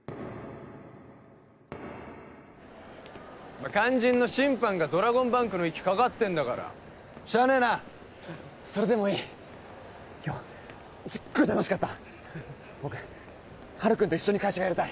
まっ肝心の審判がドラゴンバンクの息かかってんだからしゃあねえなそれでもいい今日すっごい楽しかった僕ハル君と一緒に会社やりたい